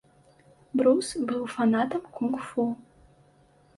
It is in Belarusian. Брус быў фанатам кунг-фу.